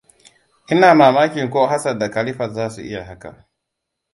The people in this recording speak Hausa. Ina mamakin ko Hassan da Khalifat zasu iya haka.